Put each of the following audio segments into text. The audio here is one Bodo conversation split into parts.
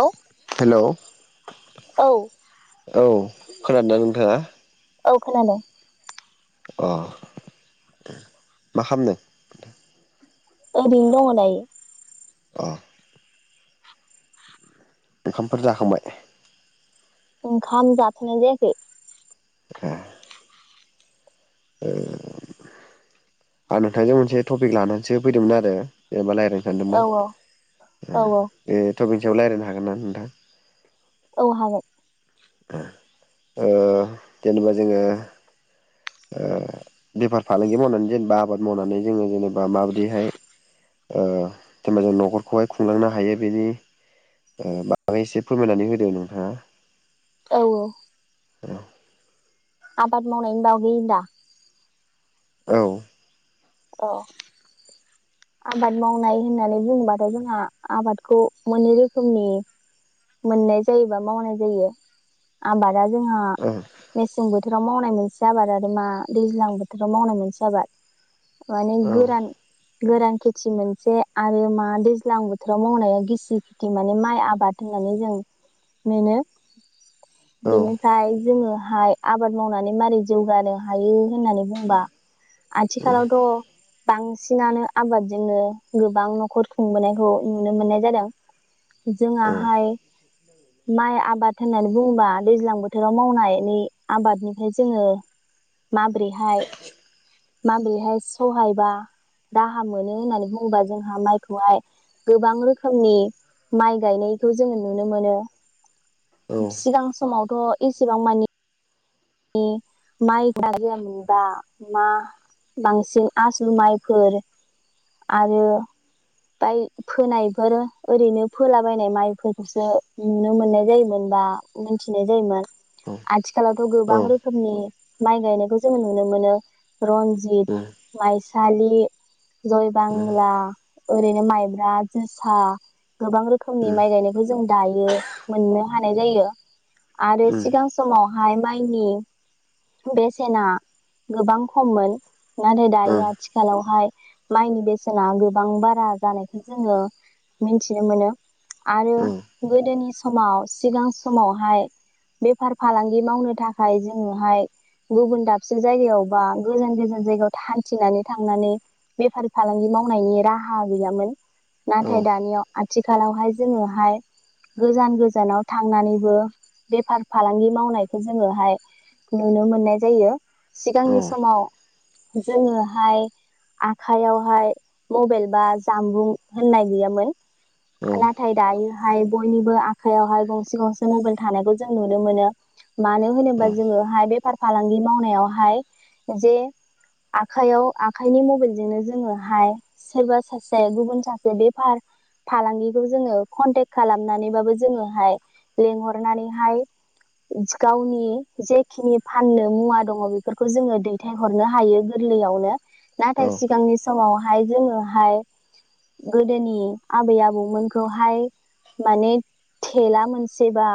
औ हेलौ औ औ खोनादोंना नोंथाङा? औ खोनादों अ मा खालामदों? ओरैनो दङ दायो अ ओंखामफोर जाखांबाय ओंखाम जाथनाय जायाखै ए ओ आं नोंथांजों मोनसे टपिक लानानैसो फैदोंमोन आरो जेनेबा रायलाय नो औ सानदोंमोन औ औ औ बे तपिकनि सायाव रायलायनो हागोन ना नोंथां? औ, हागोन। ओ जेनेबा जोंङो ओ बेफार-फालांगि मावनानै जेनेबा आबाद मावनानै जोंङो जेने बा माबायदिहाय ओ जेनेबा जों न'खरखौहाय खुंलांनो हायो? बेनि ओ बागै एसे फोरमायनानै होदो नोंथाङा। औ औ औ आबाद मावनायनि बागै दा? औ अ आबाद मावनाय होननानै बुङोबथाय जोंहा आबादखौ मोननै रोखोमनि मोननाय जायो बा मावनाय जायो आबादा जोंहा औ मेसें बोथो राव मावनाय मोनसे आबाद आरो मा [inaudible] गोरान गोरान खेथि मोनसे आरो मा दैज्लां बोथोराव मावनाया गिसि माने माइ आबाद होननानै जों मोनो। औ बेनिफाय जोङो हाय आबाद मावनानै मारै जौगानो हायो? होननानै बुंबा। आथिखालावथ' बां सिनानो आबादजोंनो गोबां न'खर खुंबोनायखौ नुनो मोननाय जादों। औ जोङाहाय माइ आबाद होननानै बुंबा दैज्लां बोथोराव मावनायनि आबादनिफ्राय जोङो माबोरैहाय-माबोरैहाय सहाय बा राहा मोनो होननानै बुंबा जोंहा माइखौहाय गोबां रोखोमनि माइ गायनायखौ जोङो नुनो मोनो। [inaudible] सिगां समावथ' एसेबां मानि माइ गाया मोनबा मा। बांसिन आसु माइफोर आरो। बाय फोनायफोर ओरैनो फोलाबायायनाय माइफोरखौसो नुनो मोननाय जायोमोन। बा मिथिनाय जायोमोन ।आथिखालावथ' गोबां उम रोखोमनि माइ गायनायखौ जोङो नुनो मोनो रन्जित, माइसालि जय बांला, ओरैनो माइब्रा, जोसा गोबां रोखोमनि उम माइ गायनायखौ जों दायो मोननो हानाय जायो। आरो उम सिगां समावहाय माइनि बेसेना गोबां खममोन। नाथाय उम दायो आथिखालावहाय माइनि बेसेना गो बां बारा जानायखौ जोङो मोन्थिनो मोनो औ हागोन नोंथां आरो गोदोनि स माव, सिगां समावहाय बेफार-फालांगि मावनो थाखाय जोङोहाय। गुबुन दाबसे जायगायावबा गोजान गोजान जायगायाव हान्थिनानै थांनानै। बेफारि-फालांगि मावनायनि। राहा गैयामोन नाथाय दानियाव आथिखालावहाय जोङोहाय। गोजान गोजानाव थांनानैबो बेफार-फालांगि मावनायखौ जोङोहाय। नुनो मोननाय जायो। सिगांनि समाव जोङोहाय आखायावहाय। मबेल बा जामबुं होननाय गैयामोन नाथाय दायो। हाय बयनिबो आखायावहाय गंसे गंसे मबेल थानायखौ जों नुनो मोनो। मानो होनोबा जोङोहाय बेफार-फालांगि मावनायावहाय जे। आखाइयाव आखाइनि मबाइल जोंनो जोङोहाय। सोरबा सासे गुबुन सासेनि बेफार। फालांगिखौ जोङो कन्टेक खालामनानैबाबो जोङोहाय लेंंहरनानैहाय गावनि जेखिनि फाननो मुवा दङ बेफोरखौ जोङो दैथायहरनो हायो । गोरलैयावनो, नाथाय सिगांनि समावहाय जोङोहाय। गोदोनि आबै आबौ मोनखौहाय। माने टेला मोनसे दा।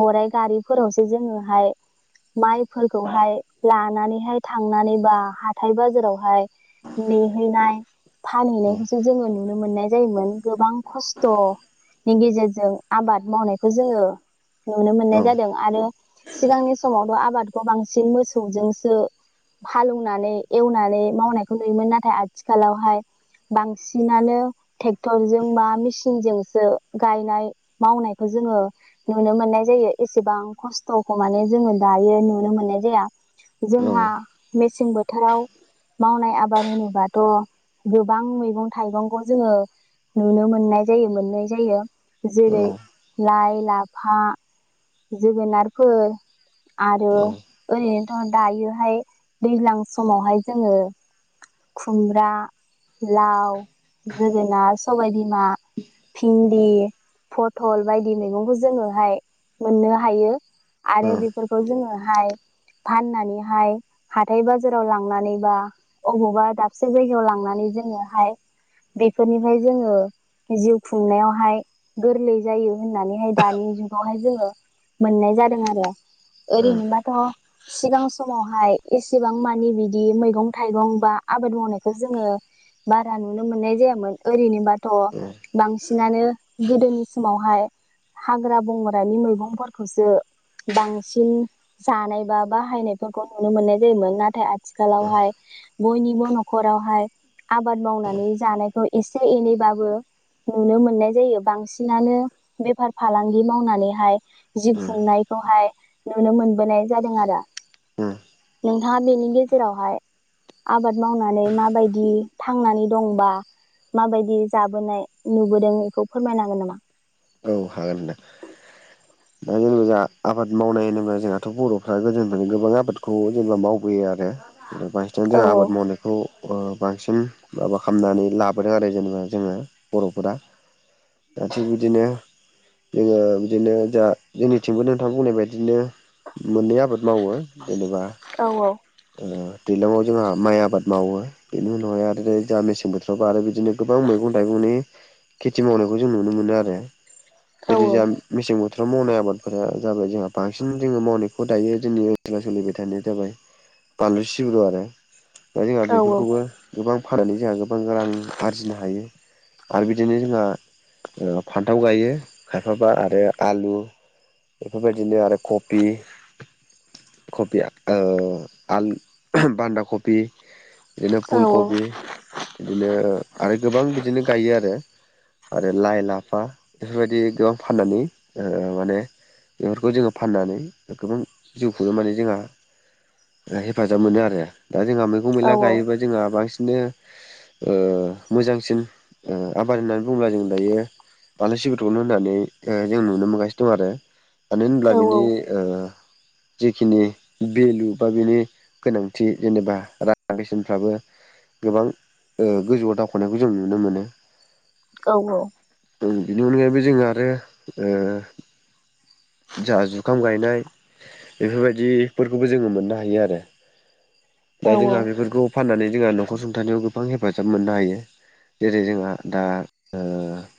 गराइ गारिफोरासो जोङोहाय माइफोरखौहाय लानानैहाय थांनानै बा हाथाय बाजारावहाय ने होनाय फानहैनायखौसो जोङो नुनो मोननाय जायोमोन, गोबां खस्थ' बिनि गेजेरजों आबाद मावनायखौ जोङो नुनो मोननाय जादों दा आरो। सिगांनि समाथ' आबादखौ बांसिन मोसौ जोंसो हालौवनानै एवनानै मावनायखौ नुयो मोन नाथाय, आथिखालावहाय बांसिनानो ट्रेक्टरजों बा मेसिनजोंसो गायनाय मावनायखौ जोंङो नुनो मोननाय जायो । एसेबां खस्थ'खौ माने जोंङो दायो नुनो मोननाय जाया । जोंहा मेसें बोथोराव मावनाय आबाद होनोब्ला - थ' गोबां मैगं थाइगंखौ जोंङो नुनो मोननाय जायो, मोननाय जायो जेरै - लाइ, लाफा जोगोनारफोर आरो ओरैनोथ' दायोहाय दैज्लां समावहाय जोंङो खुमब्रा, लाव, जोगोनार, सबायाइ बिमा भिन्दि, फथल बायदि मैगंखौ जोंङो हाय मोननो हायो । आरो बेफोरखौ जोंङोहाय फाननानैहाय हाथाय बाजाराव लांनानै बा अबावबा बेफोर जायगायाव लांनानै जोंङोहाय बेफोरनिफ्राय जोंङो जिउ खुंनायावहाय गोरलै जायो । होनानैहाय दानि जुगावहाय जोंङो मोननाय जादों आरो ओरैनोबाथ' सिगां समावहाय एसेबां मानि बिदि मैगं थाइगं बा आबाद मावनायखौ जोंङो बारा नुनो मोननाय जायामोन, ओरैनोबाथ' बांसिन बिनानो गोदोनि समावहाय हाग्रा बंग्रानि मैगंफोरखौसो बांसिन जानाय बा बाहायनायफोरखौ नुनो मोननाय जायोमोन, नाथाय आथिखालावहाय बयनिबो न'खरावहाय आबाद मावनानै जानायखौ एसे एनैबाबो नुनो मोननाय जायो । बांसिनानो बेफार फालांगि मावनानैहाय जिउ खुंनायखौहाय नुनो मोनबोनाय जादों आरो । उम नोंथांङा बेनि गेजेरावहाय आबाद मावनानै माबायदि थांनानै दं बा माबायदि जाबोनाय नुबोदों बेखौ फोरमायनांगोन नामा? औ हागोनदा? दा जेनेबा जों आबाद मावनाय होनोबा जोंहाथ' बर'फ्रा गोदोनिफ्राय गोबां आबादखौ जेनेबा मावबो फारसेथिं औ जोंहा आबाद मावनायखौ ओ बांसिन माबा खालामनानै लाबोदों आरो जेनेबा जोंङो बर'फोरा दा,, बिदिनो जोंङो बिदिनो दा जोंनिथिंबो नोंथां मोनि बायदिनो मोननै आबाद मावो जेनेबा औ ओ दैज्लाङाव जोंहा माइ आबाद मावो, बेनि उनावहाय आरो जोंहा मेसें बोथोरावबो आरो बिदिनो गोबां मैगं- थाइगंनि खेथि मावनाय खौ जों नुनो मोन आरो औ ओरैजा मेसें बो बोथोराव मावनाय आबादफोरा जाबाय जोंहा बांसिन जोंङो मावनायखौ दायो, जोंनि ओनसोलाव सोलिबाय थानाय जाबाय बानलु सिब्रु आरो ओमफ्राय जोंहा औ बेफोरखौबो गोबां फाननानै जोंहा गोबां रां आरजिनो हायो आरो बिदिनो जोंहा फान्थाव गायो खायफाबा आरो आलु बेफोरबायदिनो आरो कबि कबिया आल बान्दा कफि बिदिनो फुल औ कबि बिदिनो आरो गोबां बिदिनो गायो आरो आरो लाइ लाफा बेफोरबायदि गोबां फाननानै माने बेफोरखौ जोंङो फाननानै गोबां जिउखुङो माने जोंहा हेफाजाब मोनो आरो दा जोंहा मैगं औ मैला गायोब्ला जोंहा बांसिन बिदिनो ओ मोजांसिन आबाद होननानै बुंङोब्ला जों दायो बानलु सिब्रखौनो होननानै जों नुनो मोनगासिनो दं आरो मानो औ होनब्ला बिनि जेखिनि भेलु बा बेनि गोनांथि जेनेबा रां बेसेनफ्राबो गोबां गोजौआव दावखोनायखौ जों नुनो मोनो औ औ बिनि अनगायैबो जोङो आरो जा जुखाम गायनाय बेफोरबायदिफोरखौबो जोङो मोननो हायो आरो औ दा जोंहा बेफोरखौ फाननानै जोंहा न'खर सुंथानायाव गोबां हेफाजाब मोननो हायो जेरै जोंहा दा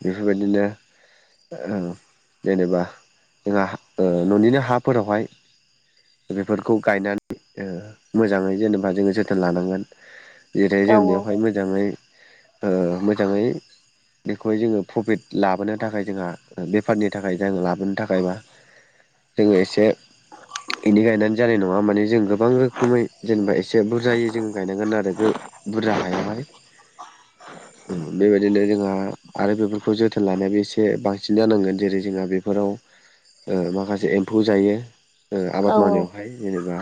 बेफोरबायदिनो जेनेबा जोंहा न'निनो हाफोरावहाय बेफोरखौ गायनानै मोजाङै जेनेबा जोङो जोथोन लानांगोन जेरै जों बेवहाय मोजाङै मोजाङै बेखौहाय जोङो प्रफिट लाबोनो थाखाय जोंहा बेफारनि थाखाय जों लाबोनो थाखाय बा जोङो एसे । [inaudible] बिनि गायनानै जानाय नङा माने जों गोबां रोखोमै जेनेबा एसे बुरजायै जों गायनांगोन आरो हायावहाय बेबायदिनो जोंहा आरो बे बे खौ जोथोन लानायाबो एसे बांसिन जानांगोन जेरै जोंहा बेफोराव माखासे एम्फौ जायो आबाद औ मावनायावहाय जेनेबा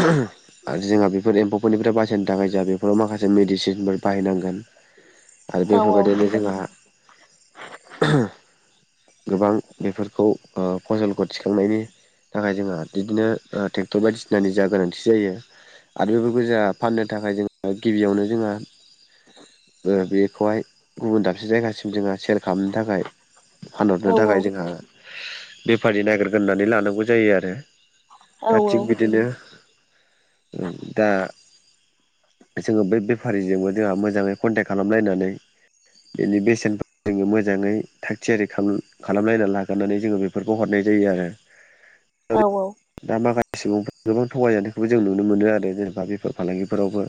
[unintelligible] आरो जोंहा बेफोर एम्फौफोरनिफ्राय बासायनो थाखाय जोंहा बेफोराव माखासे मेडिसिनफोर बाहायनांगोन आरो बेफोरबायदिनो जोंहा गोबां बेफोरखौ फसलखौ थिखांनायनि थाखाय जोंहा बिदिनो ट्रेक्टर बायदिसिनानि जा गोनांथि जायो आरो बेफोरखौजा फाननो थाखाय जोंहा गिबियावनो जोंहा बेखौहाय गुबुन दाबसे जायगासिम जोंहा सेल खालामनो थाखाय औ फानहरनो थाखाय जोंहा बेफारि नागिरगोरनानै लानांगौ जायो आरो दा थिग बिदिनो दा जोङो बेै बेफारिजोंबो जोंहा मोजाङै कन्टेक्ट खालामलायनानै बेनि बेसेन जोङो मोजाङै थाग थियारि खालाम खालामलायना लागोरनानै जोङो बेफोरखौ हरनाय जायो आरो दा माखासे सुबुं गोबां थगायजानायखौबो जों नुनो मोनो आरो जेनेबा बेफोर फालांगिफोरावबो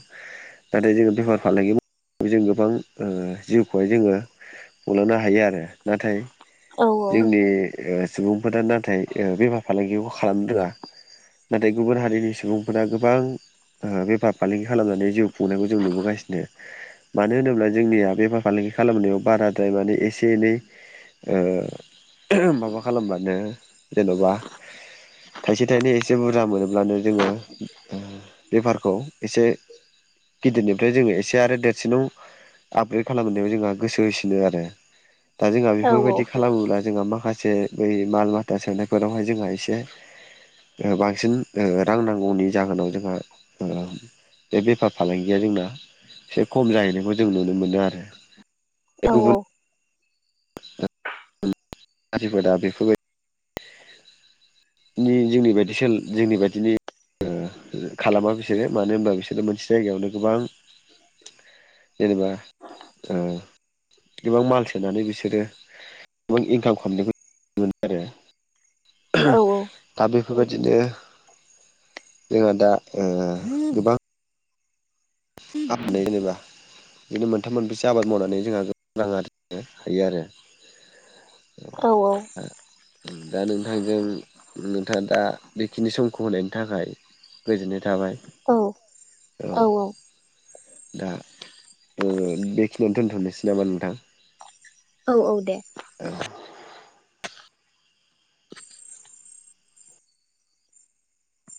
नाथाय जोङो बेफार फालांगि जों गोबां जिउखौहाय जोङो खुंलांनो हायो आरो नाथाय जोंनि सुबुंफोरा नाथाय बेफार फालांगिबो खालामनो रोङा नाथाय गुबुन हारिनि सुबुंफोरा गोबां बेफार फालांगि खालामनानै जिउ खुंनायखौ जों नुबोगासिनो मानो होनोब्ला जोंनिया बेफार फालांगि खालामनायाव बाराद्राय माने एसे एनै माबा खालामबानो जेन'बा थाइसे थाइनै एसे बुरजा मोनोब्लानो जोङो बेफारखौ एसे गिदिरनिफ्राय जोङो एसे आरो देरसिनाव आपग्रेद खालामनायाव जोंहा गोसो एसे नो आरो दा जोंहा बेफोरबायदि खालामोब्ला जोंहा माखासे एसे बै माल माथा सोननायफोरावहाय जोंहा एसे बांसिन रां नांगौनि जाहोनाव जोंहा बे बेफार फालांगिया जोंना एसे खम जाहैनायखौ जों नुनो मोनो आरो औ गुबुन औ जाथिफोरा दा बेफोरबो नि जोंनि बायदि स जोंनि बायदिनि खालामा बिसोरो मानो होनबा बिसोरो मोनसे जायगायावनो गोबां जेनेबा गोबां माल सोनानै बिसोरो गोबां इनकाम खालामनायखौ मोनो आरो बिदिनो जोंहा दा गोबां आपनो जेनेबा बिदिनो मोनथाम मोनबैसो आबाद मावनानै जोंहा रां आरजीनो हायो आरो औ दा नोंथांजों नोंथाङा दा बेखिनि समखौ होनायनि थाखाय गोजोन औ औ औ दा बेखिनियावनो दोनथ'नोसै नामा नोंथां औ औ दे औ